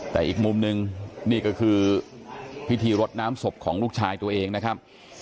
แต่อีกมุมหนึ่งนี่ก็คือพิธีรดน้ำศพของลูกชายตัวเองนะครับ